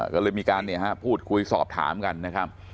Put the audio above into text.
ก็เลยมีการพูดคุยสอบถามกันนะครับ